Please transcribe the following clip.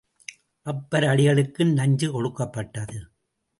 அப்பரடிகளுக்கும் நஞ்சு கொடுக்கப்பட்டது.